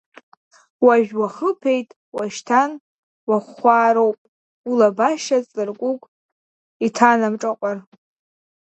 Уажә уахыԥеит, уашьҭан уахууаароуп, улабашьа аҵларкәыкә иҭанамҿаҟәар…